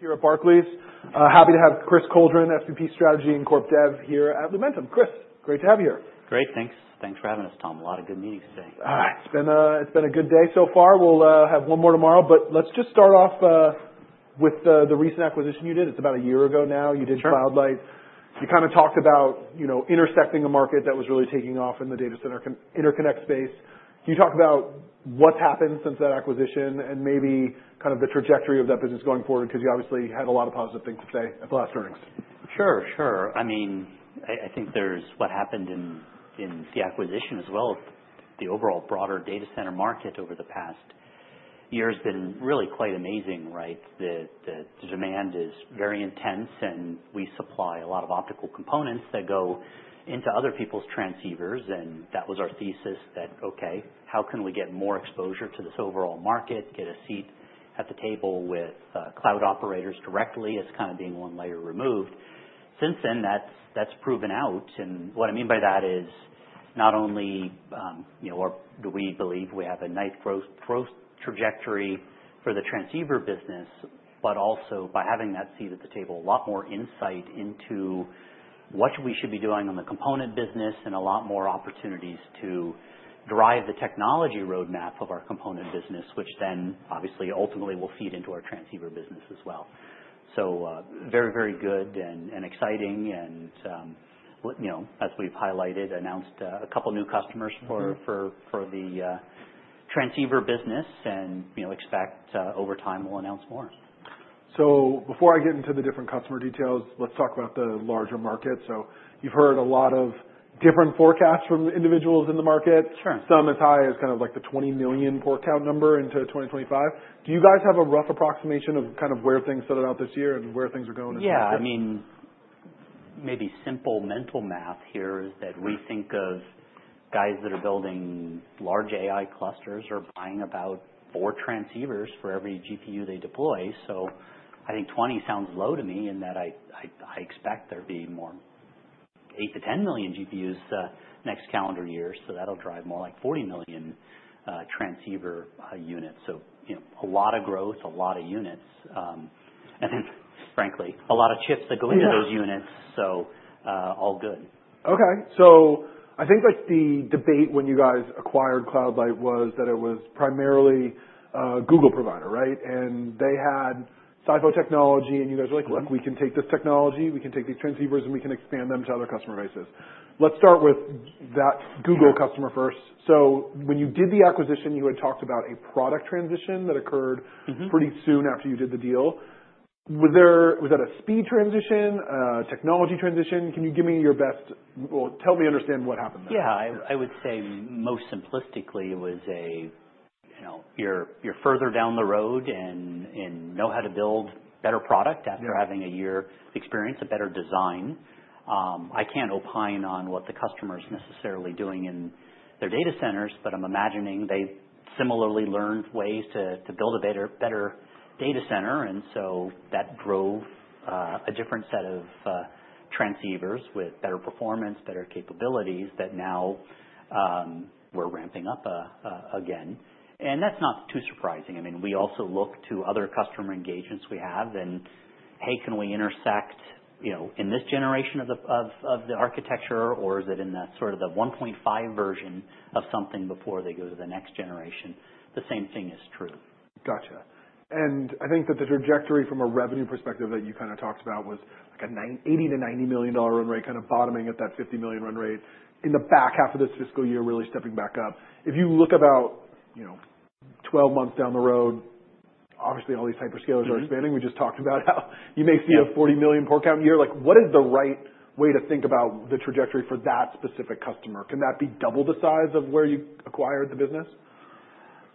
Here at Barclays. Happy to have Chris Coldren, SVP Strategy and Corp Dev here at Lumentum. Chris, great to have you here. Great, thanks. Thanks for having us, Tom. A lot of good meetings today. All right. It's been a good day so far. We'll have one more tomorrow, but let's just start off with the recent acquisition you did. It's about a year ago now. Sure. You did Cloud Light. You kinda talked about, you know, intersecting a market that was really taking off in the data center interconnect space. Can you talk about what's happened since that acquisition and maybe kind of the trajectory of that business going forward? 'Cause you obviously had a lot of positive things to say at the last earnings. Sure, sure. I mean, I think what's happened in the acquisition as well as the overall broader data center market over the past year has been really quite amazing, right? The demand is very intense, and we supply a lot of optical components that go into other people's transceivers. And that was our thesis that, okay, how can we get more exposure to this overall market, get a seat at the table with cloud operators directly as kinda being one layer removed? Since then, that's proven out. And what I mean by that is not only, you know, do we believe we have a nice growth trajectory for the transceiver business, but also by having that seat at the table, a lot more insight into what we should be doing on the component business and a lot more opportunities to drive the technology roadmap of our component business, which then obviously ultimately will feed into our transceiver business as well. So, very, very good and exciting. And, you know, as we've highlighted, announced a couple new customers for the transceiver business and, you know, expect over time we'll announce more. So before I get into the different customer details, let's talk about the larger market. So you've heard a lot of different forecasts from individuals in the market. Sure. Some as high as kind of like the 20 million forecast number into 2025. Do you guys have a rough approximation of kind of where things settle out this year and where things are going? Yeah. I mean, maybe simple mental math here is that we think of guys that are building large AI clusters are buying about four transceivers for every GPU they deploy. So I think 20 sounds low to me in that I expect there'll be more eight to 10 million GPUs next calendar year. So that'll drive more like 40 million transceiver units. So, you know, a lot of growth, a lot of units, and then frankly, a lot of chips that go into those units. So, all good. Okay. So I think like the debate when you guys acquired Cloud Light was that it was primarily a Google provider, right? And they had silicon photonics technology, and you guys were like, "Look, we can take this technology, we can take these transceivers, and we can expand them to other customer bases." Let's start with that Google customer first. So when you did the acquisition, you had talked about a product transition that occurred. Mm-hmm. Pretty soon after you did the deal. Was that a speed transition, technology transition? Can you give me your best, help me understand what happened there? Yeah. I would say most simplistically it was a, you know, you're further down the road and know how to build better product after having a year experience, a better design. I can't opine on what the customer's necessarily doing in their data centers, but I'm imagining they've similarly learned ways to build a better data center. And so that drove a different set of transceivers with better performance, better capabilities that now we're ramping up again. And that's not too surprising. I mean, we also look to other customer engagements we have and, "Hey, can we intersect, you know, in this generation of the architecture, or is it in that sort of the 1.5 version of something before they go to the next generation?" The same thing is true. Gotcha. And I think that the trajectory from a revenue perspective that you kinda talked about was like a $80 million-$90 million run rate, kinda bottoming at that $50 million run rate in the back half of this fiscal year, really stepping back up. If you look about, you know, 12 months down the road, obviously all these hyperscalers are expanding. We just talked about how you may see a $40 million per account year. Like, what is the right way to think about the trajectory for that specific customer? Can that be double the size of where you acquired the business?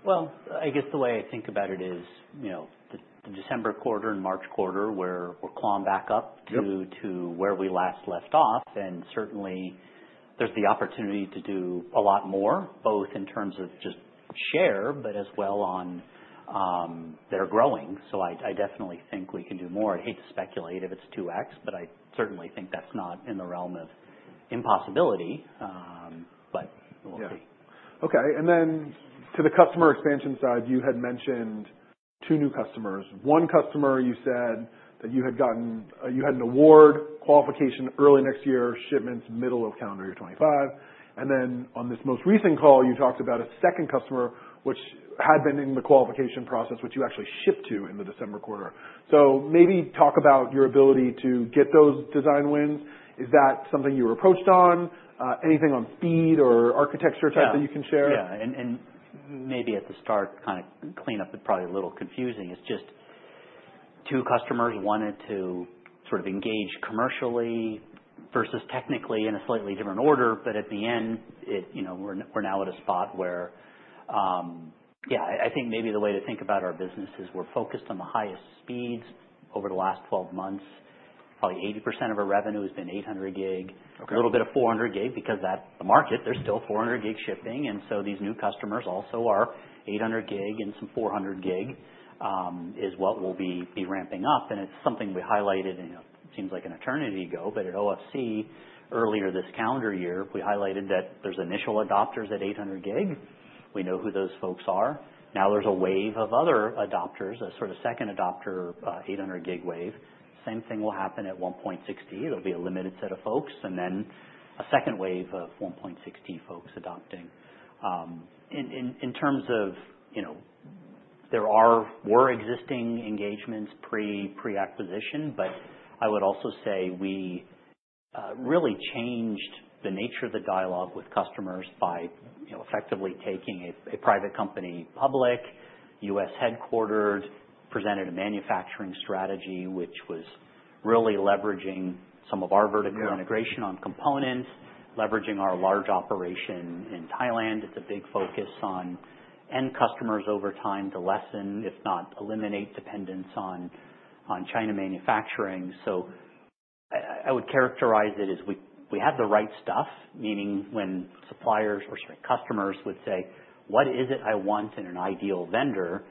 I guess the way I think about it is, you know, the December quarter and March quarter where we're clawing back up to. Yeah. To where we last left off, and certainly there's the opportunity to do a lot more, both in terms of just share, but as well on, they're growing, so I definitely think we can do more. I'd hate to speculate if it's 2X, but I certainly think that's not in the realm of impossibility, but we'll see. Yeah. Okay. And then to the customer expansion side, you had mentioned two new customers. One customer, you said that you had gotten, you had an award qualification early next year, shipments middle of calendar year 2025. And then on this most recent call, you talked about a second customer, which had been in the qualification process, which you actually shipped to in the December quarter. So maybe talk about your ability to get those design wins. Is that something you were approached on? Anything on speed or architecture type that you can share? Yeah. And maybe at the start, kinda clean up, it's probably a little confusing. It's just two customers wanted to sort of engage commercially versus technically in a slightly different order. But at the end, you know, we're now at a spot where, yeah, I think maybe the way to think about our business is we're focused on the highest speeds over the last 12 months. Probably 80% of our revenue has been 800 gig. Okay. A little bit of 400 gig because that's the market. There's still 400 gig shipping. And so these new customers also are 800 gig and some 400 gig, is what we'll be ramping up. And it's something we highlighted in, you know, it seems like an eternity ago, but at OFC earlier this calendar year, we highlighted that there's initial adopters at 800 gig. We know who those folks are. Now there's a wave of other adopters, a sort of second adopter, 800 gig wave. Same thing will happen at 1.6T. There'll be a limited set of folks and then a second wave of 1.6T folks adopting. In terms of, you know, there were existing engagements pre-acquisition, but I would also say we really changed the nature of the dialogue with customers by, you know, effectively taking a private company public, U.S. headquartered, presented a manufacturing strategy, which was really leveraging some of our vertical integration on components, leveraging our large operation in Thailand. It's a big focus on end customers over time to lessen, if not eliminate, dependence on China manufacturing. So I would characterize it as we have the right stuff, meaning when suppliers or, sorry, customers would say, "What is it I want in an ideal vendor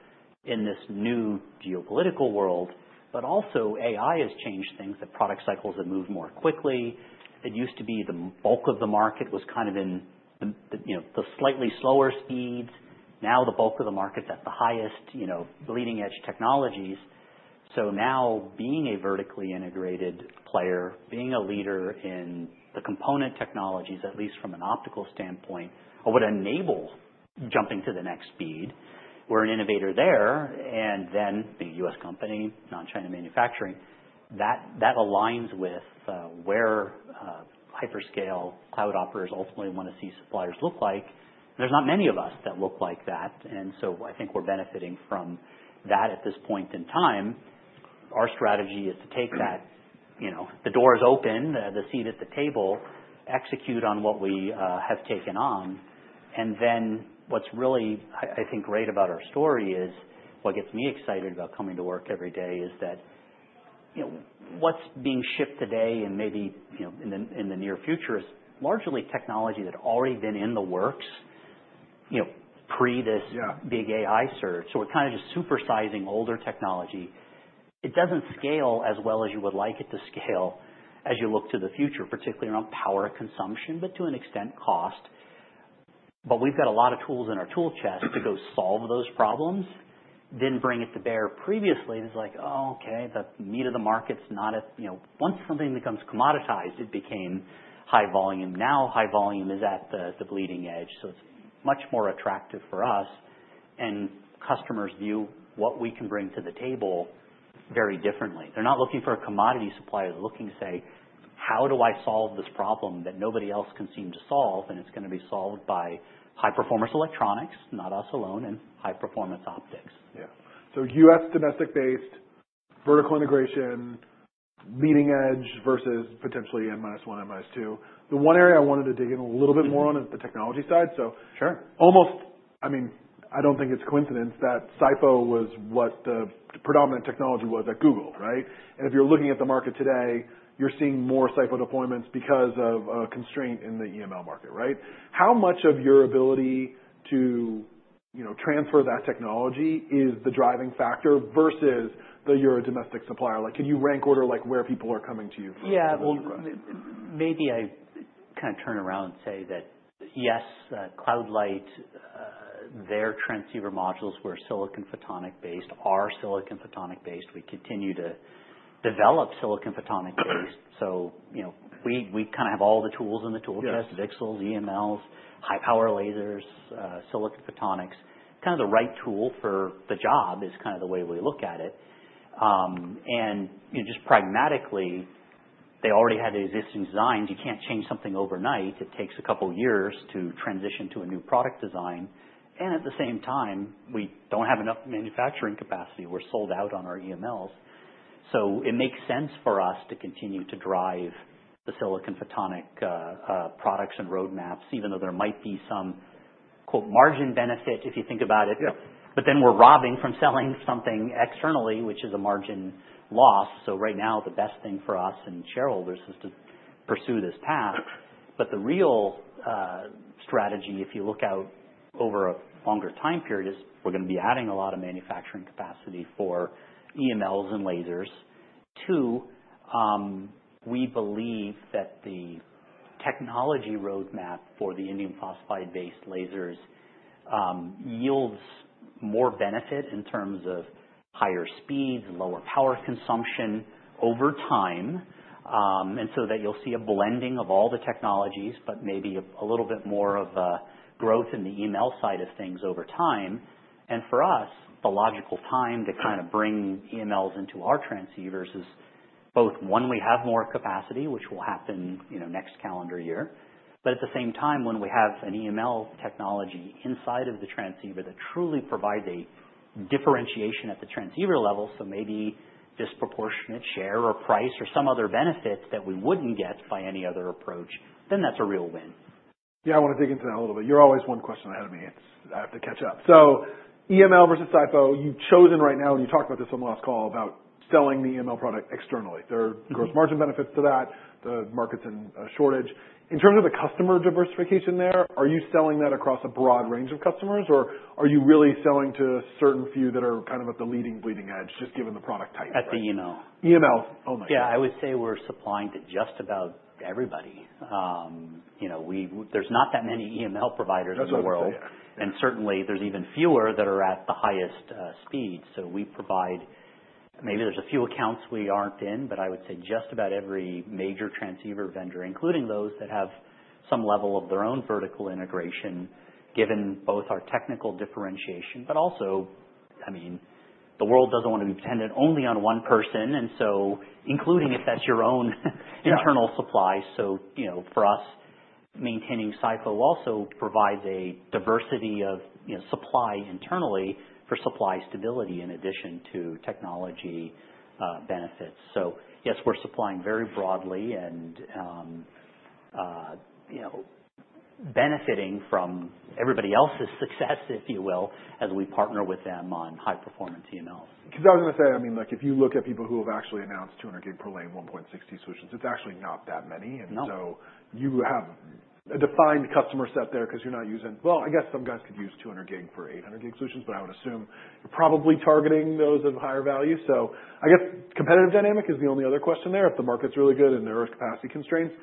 in this new geopolitical world?" But also AI has changed things, the product cycles have moved more quickly. It used to be the bulk of the market was kind of in the, you know, the slightly slower speeds. Now the bulk of the market's at the highest, you know, bleeding edge technologies. So now, being a vertically integrated player, being a leader in the component technologies, at least from an optical standpoint, what would enable jumping to the next speed? We're an innovator there. And then the U.S. company, non-China manufacturing, that aligns with where hyperscale cloud operators ultimately wanna see suppliers look like. There's not many of us that look like that. And so I think we're benefiting from that at this point in time. Our strategy is to take that, you know, the door's open, the seat at the table, execute on what we have taken on. What's really, I think, great about our story is what gets me excited about coming to work every day is that, you know, what's being shipped today and maybe, you know, in the near future is largely technology that had already been in the works, you know, pre this. Yeah. Big AI surge. So we're kinda just supersizing older technology. It doesn't scale as well as you would like it to scale as you look to the future, particularly around power consumption, but to an extent cost. But we've got a lot of tools in our tool chest to go solve those problems, then bring it to bear. Previously, it was like, "Oh, okay. The meat of the market's not at, you know, once something becomes commoditized, it became high volume." Now high volume is at the bleeding edge. So it's much more attractive for us. And customers view what we can bring to the table very differently. They're not looking for a commodity supplier. They're looking to say, "How do I solve this problem that nobody else can seem to solve?" And it's gonna be solved by high performance electronics, not us alone, and high performance optics. Yeah. So U.S. domestic-based vertical integration, leading edge versus potentially N minus one, N minus two. The one area I wanted to dig in a little bit more on is the technology side. So. Sure. Almost, I mean, I don't think it's coincidence that SiPh was what the predominant technology was at Google, right? And if you're looking at the market today, you're seeing more SiPh deployments because of a constraint in the EML market, right? How much of your ability to, you know, transfer that technology is the driving factor versus the, you're a domestic supplier? Like, can you rank order like where people are coming to you for? Yeah. Well, maybe I kinda turn around and say that yes, Cloud Light, their transceiver modules were silicon photonics-based, are silicon photonics-based. We continue to develop silicon photonics-based. So, you know, we kinda have all the tools in the tool chest. Yeah. VCSELs, EMLs, high power lasers, silicon photonics. Kinda the right tool for the job is kinda the way we look at it, and you know, just pragmatically, they already had existing designs. You can't change something overnight. It takes a couple years to transition to a new product design, and at the same time, we don't have enough manufacturing capacity. We're sold out on our EMLs, so it makes sense for us to continue to drive the silicon photonic products and roadmaps, even though there might be some "margin benefit" if you think about it. Yeah. But then we're robbing from selling something externally, which is a margin loss. So right now, the best thing for us and shareholders is to pursue this path. But the real strategy, if you look out over a longer time period, is we're gonna be adding a lot of manufacturing capacity for EMLs and lasers. Too, we believe that the technology roadmap for the indium phosphide-based lasers yields more benefit in terms of higher speeds, lower power consumption over time, and so that you'll see a blending of all the technologies, but maybe a little bit more of a growth in the EML side of things over time. For us, the logical time to kinda bring EMLs into our transceivers is both, one, we have more capacity, which will happen, you know, next calendar year, but at the same time, when we have an EML technology inside of the transceiver that truly provides a differentiation at the transceiver level, so maybe disproportionate share or price or some other benefit that we wouldn't get by any other approach, then that's a real win. Yeah. I wanna dig into that a little bit. You're always one question ahead of me. It's. I have to catch up. So EML versus silicon photonics, you've chosen right now, and you talked about this on the last call about selling the EML product externally. There are gross margin benefits to that. The market's in a shortage. In terms of the customer diversification there, are you selling that across a broad range of customers, or are you really selling to a certain few that are kind of at the leading bleeding edge, just given the product type? At the EML. EMLs. Oh my God. Yeah. I would say we're supplying to just about everybody. You know, we there's not that many EML providers in the world. That's what I'm saying. Yeah. Certainly there's even fewer that are at the highest speed. So we provide. Maybe there's a few accounts we aren't in, but I would say just about every major transceiver vendor, including those that have some level of their own vertical integration, given both our technical differentiation, but also, I mean, the world doesn't wanna be dependent only on one person. And so including if that's your own internal supply. Yeah. So, you know, for us, maintaining silicon photonics also provides a diversity of, you know, supply internally for supply stability in addition to technology benefits. So yes, we're supplying very broadly and, you know, benefiting from everybody else's success, if you will, as we partner with them on high performance EMLs. 'Cause I was gonna say, I mean, like, if you look at people who have actually announced 200 gig per lane 1.6T solutions, it's actually not that many. No. And so you have a defined customer set there, 'cause you're not using—well, I guess some guys could use 200 gig for 800 gig solutions, but I would assume you're probably targeting those of higher value. So I guess competitive dynamic is the only other question there. If the market's really good and there are capacity constraints,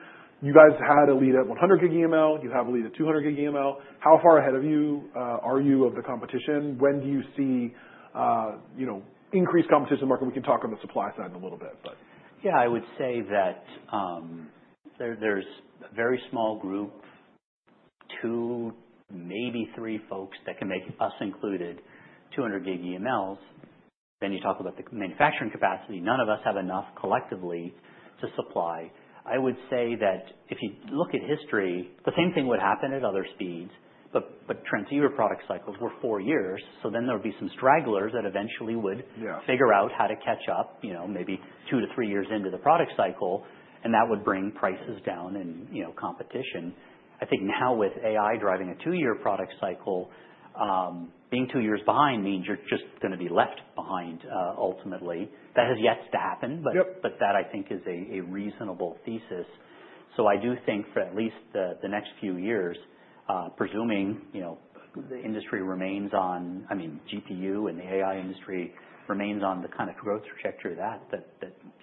you guys had a lead at 100 gig EML. You have a lead at 200 gig EML. How far ahead of you are you of the competition? When do you see, you know, increased competition market? We can talk on the supply side in a little bit, but. Yeah. I would say that there, there's a very small group, two, maybe three folks that can make, us included, 200 gig EMLs. Then you talk about the manufacturing capacity. None of us have enough collectively to supply. I would say that if you look at history, the same thing would happen at other speeds, but transceiver product cycles were four years. So then there would be some stragglers that eventually would. Yeah. Figure out how to catch up, you know, maybe two to three years into the product cycle, and that would bring prices down and, you know, competition. I think now with AI driving a two-year product cycle, being two years behind means you're just gonna be left behind, ultimately. That has yet to happen, but. Yep. But that I think is a reasonable thesis. So I do think for at least the next few years, presuming, you know, the industry remains on, I mean, GPU and the AI industry remains on the kind of growth trajectory that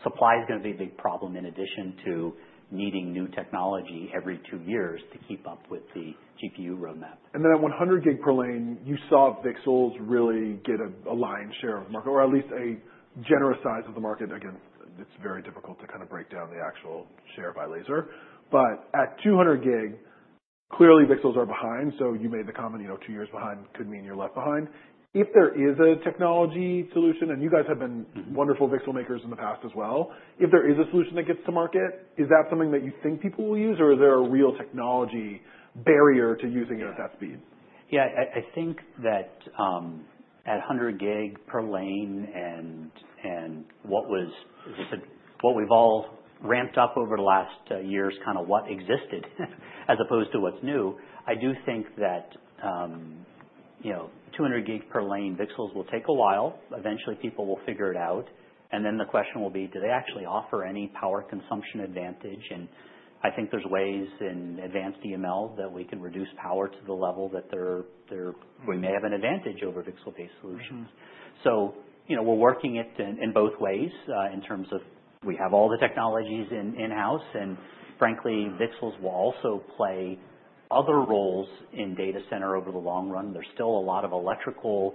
supply's gonna be a big problem in addition to needing new technology every two years to keep up with the GPU roadmap. And then at 100 gig per lane, you saw VCSELs really get a lion's share of the market, or at least a generous size of the market against. It's very difficult to kinda break down the actual share by laser. But at 200 gig, clearly VCSELs are behind. So you made the comment, you know, two years behind could mean you're left behind. If there is a technology solution, and you guys have been wonderful VCSEL makers in the past as well, if there is a solution that gets to market, is that something that you think people will use, or is there a real technology barrier to using it at that speed? Yeah. I think that at 100 gig per lane and what we've all ramped up over the last years kinda what existed as opposed to what's new. I do think that, you know, 200 gig per lane VCSELs will take a while. Eventually, people will figure it out. And then the question will be, do they actually offer any power consumption advantage? And I think there's ways in advanced EML that we can reduce power to the level that they're. Mm-hmm. We may have an advantage over VCSEL-based solutions. Mm-hmm. So, you know, we're working it in both ways, in terms of we have all the technologies in-house. And frankly, VCSELs will also play other roles in data center over the long run. There's still a lot of electrical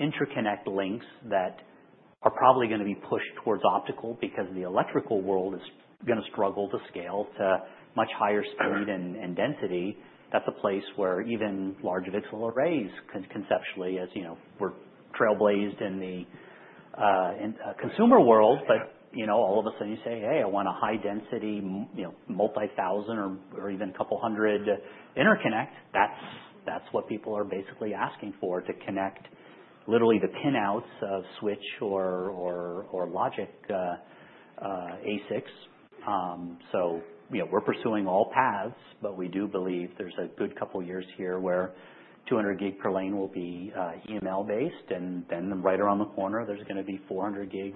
interconnect links that are probably gonna be pushed towards optical because the electrical world is gonna struggle to scale to much higher speed and density. That's a place where even large VCSEL arrays conceptually, as you know, we've trailblazed in the consumer world. Yeah. But you know, all of a sudden you say, "Hey, I want a high density, you know, multi-thousand or, or even couple hundred interconnect." That's, that's what people are basically asking for to connect literally the pin-outs of switch or, or, or logic, ASICs. So, you know, we're pursuing all paths, but we do believe there's a good couple years here where 200 gig per lane will be, EML based. And then right around the corner, there's gonna be 400 gig,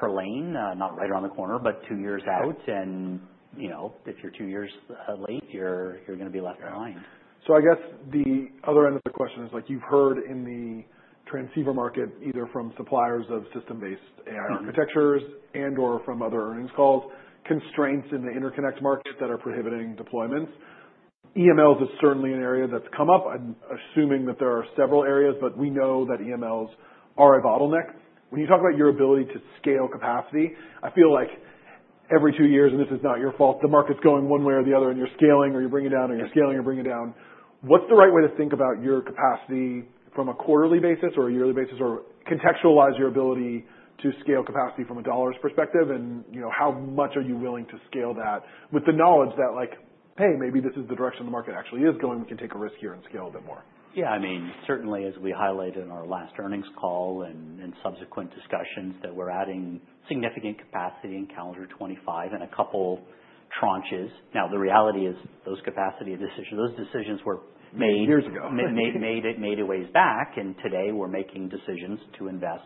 per lane, not right around the corner, but two years out. Mm-hmm. You know, if you're two years late, you're gonna be left behind. Yeah. So I guess the other end of the question is, like you've heard in the transceiver market, either from suppliers of system-based AI architectures and/or from other earnings calls, constraints in the interconnect market that are prohibiting deployments. EMLs is certainly an area that's come up. I'm assuming that there are several areas, but we know that EMLs are a bottleneck. When you talk about your ability to scale capacity, I feel like every two years, and this is not your fault, the market's going one way or the other, and you're scaling or you're bringing down, or you're scaling or you're bringing down. What's the right way to think about your capacity from a quarterly basis or a yearly basis or contextualize your ability to scale capacity from a dollar's perspective? You know, how much are you willing to scale that with the knowledge that, like, "Hey, maybe this is the direction the market actually is going. We can take a risk here and scale a bit more"? Yeah. I mean, certainly, as we highlighted in our last earnings call and, and subsequent discussions, that we're adding significant capacity in calendar 2025 and a couple tranches. Now, the reality is those capacity decisions, those decisions were made. Years ago. Made it ways back. Today, we're making decisions to invest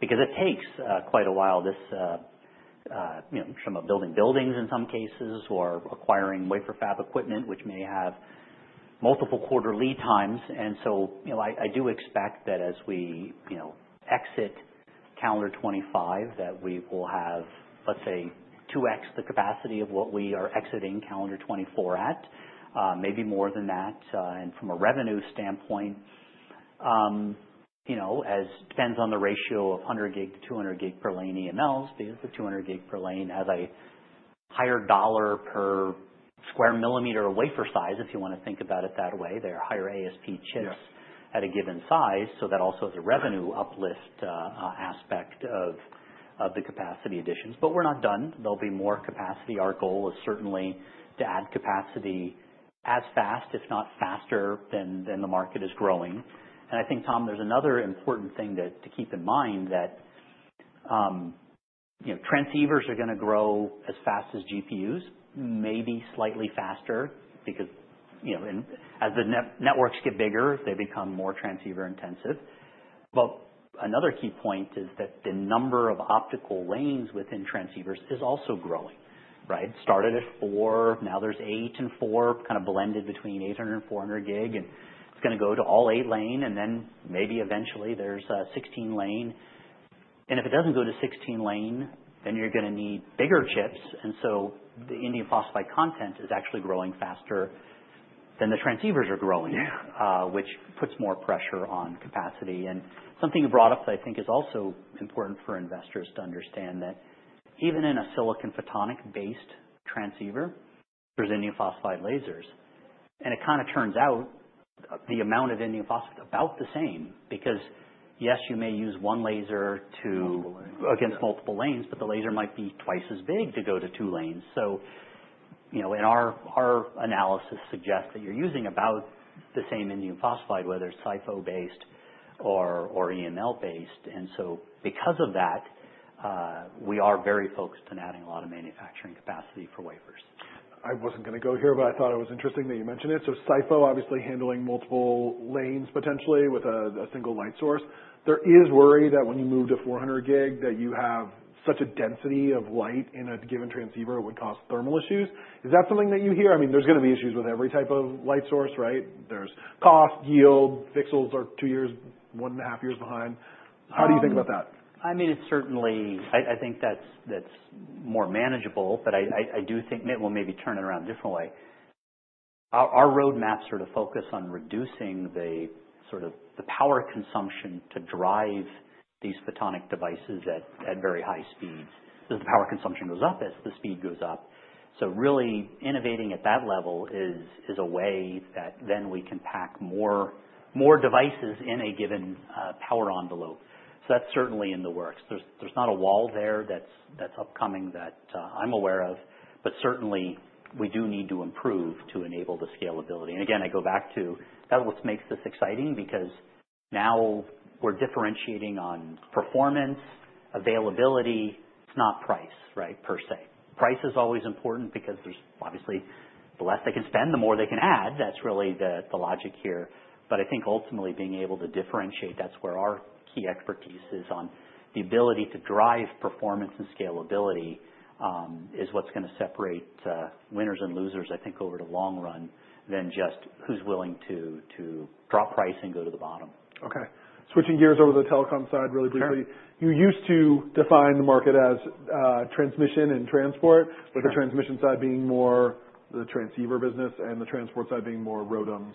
because it takes quite a while, you know, from building buildings in some cases or acquiring wafer fab equipment, which may have multiple quarter lead times. So, you know, I do expect that as we, you know, exit calendar 2025, that we will have, let's say, 2X the capacity of what we are exiting calendar 2024 at, maybe more than that, and from a revenue standpoint, you know, as it depends on the ratio of 100 gig to 200 gig per lane EMLs because the 200 gig per lane has a higher dollar per square millimeter of wafer size, if you wanna think about it that way, they're higher ASP chips. Yes. At a given size. So that also is a revenue uplift aspect of the capacity additions, but we're not done. There'll be more capacity. Our goal is certainly to add capacity as fast, if not faster, than the market is growing, and I think, Tom, there's another important thing to keep in mind that, you know, transceivers are gonna grow as fast as GPUs, maybe slightly faster because, you know, and as the networks get bigger, they become more transceiver intensive, but another key point is that the number of optical lanes within transceivers is also growing, right? Started at four, now there's eight and four, kinda blended between 800G and 400G, and it's gonna go to all eight lane. And then maybe eventually there's 16 lane. And if it doesn't go to 16 lane, then you're gonna need bigger chips. And so the Indium Phosphide content is actually growing faster than the transceivers are growing. Yeah. which puts more pressure on capacity. And something you brought up that I think is also important for investors to understand that even in a silicon photonics-based transceiver, there's indium phosphide lasers. And it kinda turns out the amount of indium phosphide's about the same because yes, you may use one laser to. Multiple lanes. Against multiple lanes, but the laser might be twice as big to go to two lanes. So, you know, in our analysis suggests that you're using about the same indium phosphide, whether it's SiPh-based or EML-based. And so because of that, we are very focused on adding a lot of manufacturing capacity for wafers. I wasn't gonna go here, but I thought it was interesting that you mentioned it. So silicon photonics, obviously handling multiple lanes potentially with a single light source. There is worry that when you move to 400 gig, that you have such a density of light in a given transceiver, it would cause thermal issues. Is that something that you hear? I mean, there's gonna be issues with every type of light source, right? There's cost, yield, VCSELs are two years, one and a half years behind. How do you think about that? I mean, it's certainly, I think that's more manageable, but I do think it will maybe turn it around a different way. Our roadmaps are to focus on reducing the sort of the power consumption to drive these photonic devices at very high speeds 'cause the power consumption goes up as the speed goes up. So really innovating at that level is a way that then we can pack more devices in a given power envelope. So that's certainly in the works. There's not a wall there that's upcoming that I'm aware of, but certainly we do need to improve to enable the scalability. Again, I go back to that's what makes this exciting because now we're differentiating on performance, availability, not price, right, per se. Price is always important because there's obviously the less they can spend, the more they can add. That's really the logic here. But I think ultimately being able to differentiate, that's where our key expertise is on the ability to drive performance and scalability, is what's gonna separate winners and losers, I think, over the long run than just who's willing to drop price and go to the bottom. Okay. Switching gears over to the telecom side really briefly. Sure. You used to define the market as transmission and transport. Okay. With the transmission side being more the transceiver business and the transport side being more ROADMs.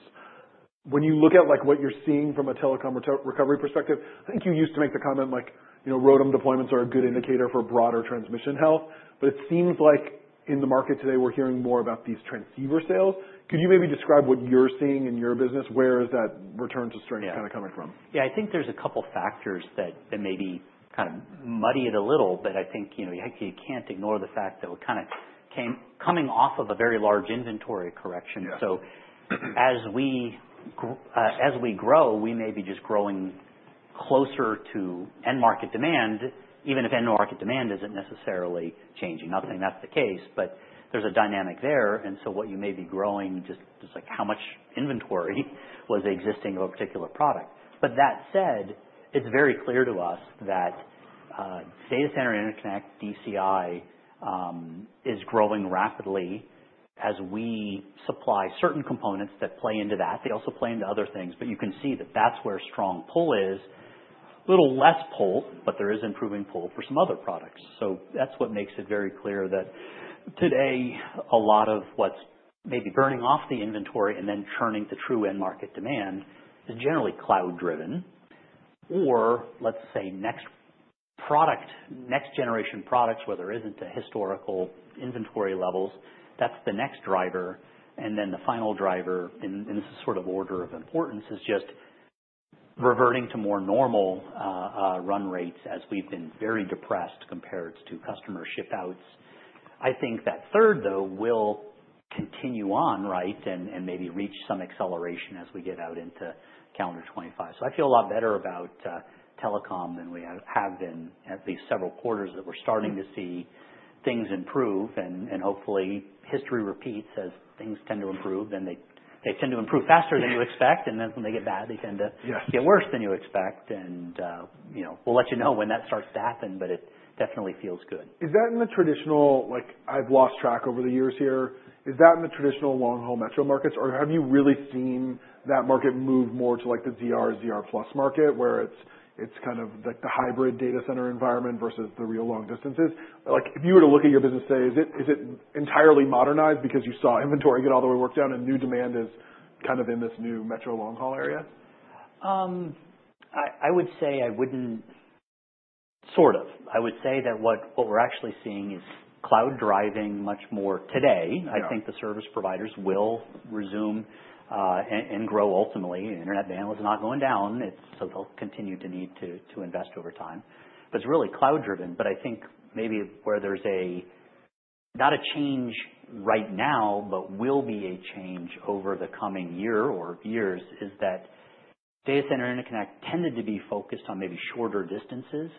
When you look at, like, what you're seeing from a telecom recovery perspective, I think you used to make the comment, like, you know, ROADM deployments are a good indicator for broader transmission health, but it seems like in the market today, we're hearing more about these transceiver sales. Could you maybe describe what you're seeing in your business? Where is that return to strength kinda coming from? Yeah. I think there's a couple factors that maybe kinda muddy it a little, but I think, you know, you can't ignore the fact that we're kinda coming off of a very large inventory correction. Yeah. So as we grow, we may be just growing closer to end market demand, even if end market demand isn't necessarily changing. Not saying that's the case, but there's a dynamic there. And so what you may be growing just like how much inventory was existing of a particular product. But that said, it's very clear to us that data center interconnect, DCI, is growing rapidly as we supply certain components that play into that. They also play into other things, but you can see that that's where strong pull is. Little less pull, but there is improving pull for some other products. So that's what makes it very clear that today, a lot of what's maybe burning off the inventory and then churning to true end market demand is generally cloud-driven or, let's say, next product, next generation products, where there isn't a historical inventory levels. That's the next driver. And then the final driver, in this sort of order of importance, is just reverting to more normal, run rates as we've been very depressed compared to customer ship outs. I think that third, though, will continue on, right, and maybe reach some acceleration as we get out into calendar 2025. So I feel a lot better about telecom than we have been at least several quarters that we're starting to see things improve. And hopefully history repeats as things tend to improve. Then they tend to improve faster than you expect. Then when they get bad, they tend to. Yes. Get worse than you expect, and, you know, we'll let you know when that starts to happen, but it definitely feels good. Is that in the traditional, like, I've lost track over the years here? Is that in the traditional long-haul metro markets, or have you really seen that market move more to, like, the ZR, ZR+ market where it's kind of like the hybrid data center environment versus the real long distances? Like, if you were to look at your business today, is it entirely modernized because you saw inventory get all the way worked down and new demand is kind of in this new metro long-haul area? I would say that what we're actually seeing is cloud driving much more today. Yeah. I think the service providers will resume and grow ultimately. Internet bandwidth is not going down. It's so they'll continue to need to invest over time. But it's really cloud-driven. But I think maybe where there's not a change right now, but will be a change over the coming year or years is that data center interconnect tended to be focused on maybe shorter distances,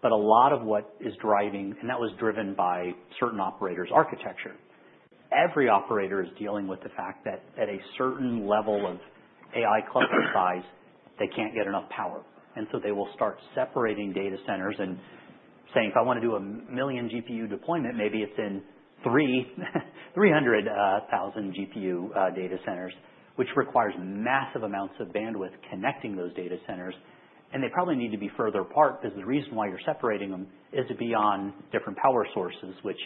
but a lot of what is driving and that was driven by certain operators' architecture. Every operator is dealing with the fact that at a certain level of AI cluster size, they can't get enough power. And so they will start separating data centers and saying, "If I wanna do a million GPU deployment, maybe it's in 300,000 GPU data centers," which requires massive amounts of bandwidth connecting those data centers. They probably need to be further apart 'cause the reason why you're separating them is beyond different power sources, which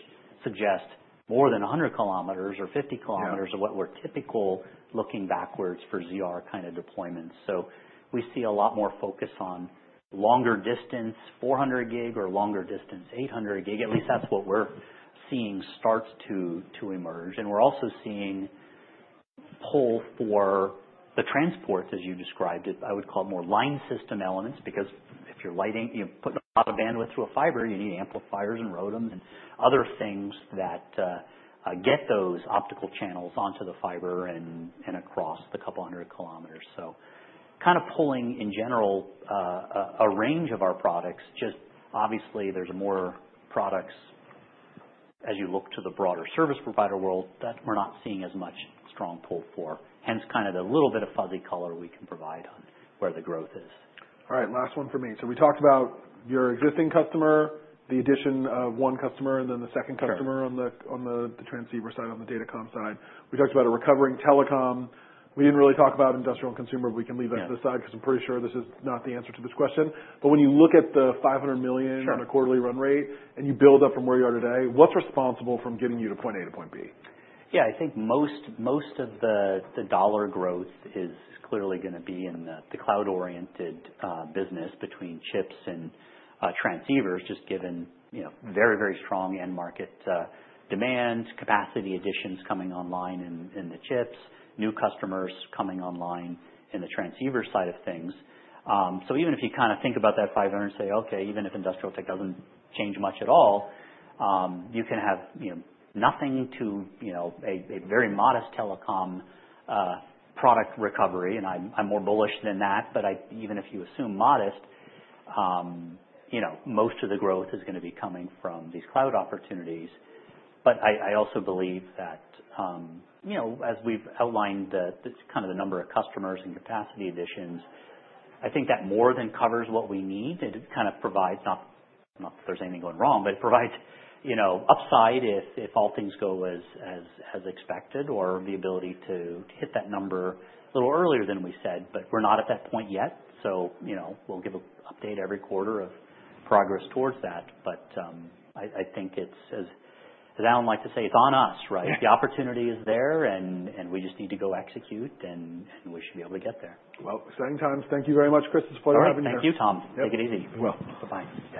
suggest more than 100 kilometers or 50 kilometers. Yeah. Of what we're typically looking backwards for ZR kinda deployments. So we see a lot more focus on longer distance 400 gig or longer distance 800 gig. At least that's what we're seeing start to emerge. And we're also seeing pull for the transports, as you described it. I would call it more line system elements because if you're lighting, you know, putting a lot of bandwidth through a fiber, you need amplifiers and ROADMs and other things that get those optical channels onto the fiber and across the couple hundred kilometers. So kinda pulling in general, a range of our products, just obviously there's more products as you look to the broader service provider world that we're not seeing as much strong pull for, hence kinda the little bit of fuzzy color we can provide on where the growth is. All right. Last one for me. So we talked about your existing customer, the addition of one customer, and then the second customer. Sure. On the transceiver side, on the datacom side. We talked about a recovering telecom. We didn't really talk about industrial and consumer, but we can leave that to the side. Yeah. 'Cause I'm pretty sure this is not the answer to this question, but when you look at the 500 million. Sure. On a quarterly run rate and you build up from where you are today, what's responsible from getting you to point A to point B? Yeah. I think most of the dollar growth is clearly gonna be in the cloud-oriented business between chips and transceivers just given, you know, very, very strong end market demand, capacity additions coming online in the chips, new customers coming online in the transceiver side of things. So even if you kinda think about that 500 and say, "Okay, even if industrial tech doesn't change much at all, you can have, you know, nothing to, you know, a very modest telecom product recovery." And I'm more bullish than that, but even if you assume modest, you know, most of the growth is gonna be coming from these cloud opportunities. But I also believe that, you know, as we've outlined the kind of the number of customers and capacity additions, I think that more than covers what we need. It kinda provides not that there's anything going wrong, but it provides, you know, upside if all things go as expected or the ability to hit that number a little earlier than we said, but we're not at that point yet. So, you know, we'll give an update every quarter of progress towards that. But I think it's as Alan liked to say, it's on us, right? Yeah. The opportunity is there, and we just need to go execute, and we should be able to get there. Exciting times. Thank you very much, Chris. It's a pleasure having you here. Oh, thank you, Thomas. Yeah. Take it easy. Well. Bye-bye. Bye.